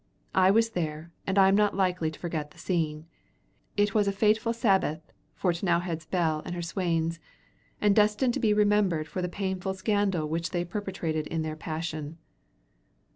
I was there, and am not likely to forget the scene. It was a fateful Sabbath for T'nowhead's Bell and her swains, and destined to be remembered for the painful scandal which they perpetrated in their passion.